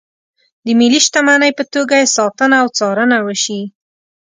د ملي شتمنۍ په توګه یې ساتنه او څارنه وشي.